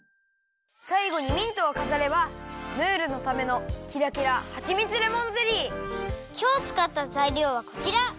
さいごにミントをかざればムールのためのきょうつかったざいりょうはこちら！